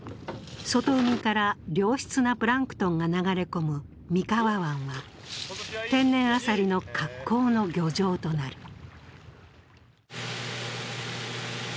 外海から良質なプランクトンが流れ込む三河湾は天然アサリの格好の漁場となる。